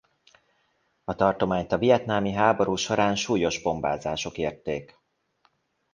A tartományt a vietnámi háború során súlyos bombázások érték.